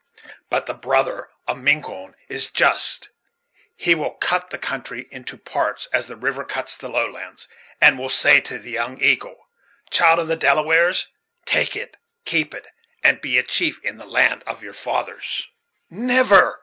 "But the brother of Miquon is just; he will cut the country in two parts, as the river cuts the lowlands, and will say to the 'Young Eagle,' 'Child of the Delawares! take it keep it; and be a chief in the land of your fathers.'" "Never!"